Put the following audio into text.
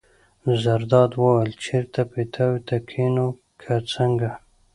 زرداد وویل: چېرته پیتاوي ته کېنو که څنګه.